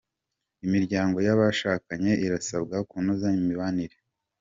Imiryango y’abashakanye irasabwa kunoza imibanire